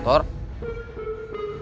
belum jam delapan